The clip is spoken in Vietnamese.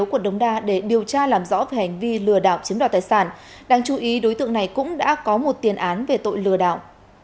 hội đồng đa để điều tra làm rõ về hành vi lừa đạo chiếm đoạt tài sản đáng chú ý đối tượng này cũng đã có một tiền án về tội lừa đạo